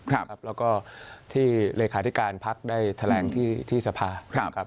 แล้วก็ที่เลขาธิการพักได้แถลงที่สภาครับ